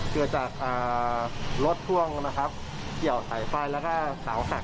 เกิดจากรถพ่วงนะครับเกี่ยวสายไฟแล้วก็เสาหัก